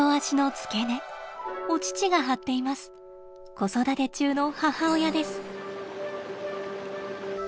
子育て中の母親です。